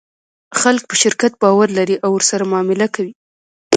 خلک په شرکت باور لري او ورسره معامله کوي.